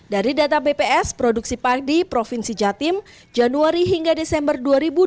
dari data bps produksi padi provinsi jatim januari hingga desember dua ribu dua puluh